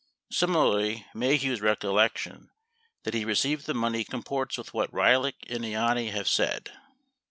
29 Similarly, Maheu's recollection that he received the money comports with what Ryhlick and Ianni have said.